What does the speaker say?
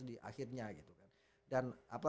di akhirnya gitu kan dan apa